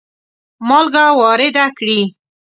مالګه وارده کړي.